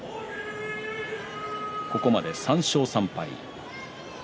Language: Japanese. ここまで３勝３敗。